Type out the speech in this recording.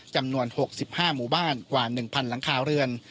จำนวน๖๕หมู่บ้านกว่า๑๐๐หลังคาเรือน